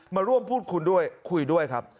มาร่วมพูดคุณด้วยคุยด้วยครับ